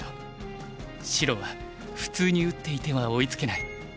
白は普通に打っていては追いつけない。